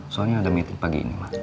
soalnya ada meeting pagi ini